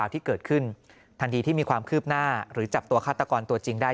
ที่มีความคืบหน้าหรือจับตัวฆาตกรตัวจริงได้